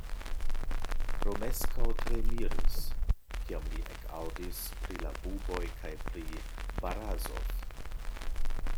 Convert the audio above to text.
Romeskaŭ tre miris, kiam li ekaŭdis pri la buboj kaj pri Barazof.